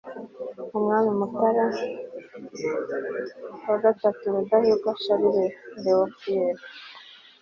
umwami mutara iii rudahigwa charles léon pierre